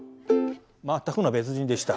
全くの別人でした。